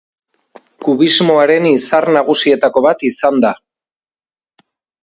Kubismoaren izar nagusietako bat izan da.